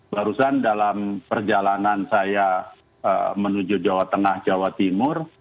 barusan dalam perjalanan saya menuju jawa tengah jawa timur